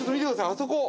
あそこ！